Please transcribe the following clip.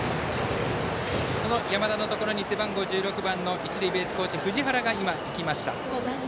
その山田のところに背番号１６番の一塁ベースコーチ、藤原が行きました。